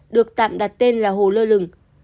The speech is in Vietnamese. được tạm đặt tên là hồ lơ lửng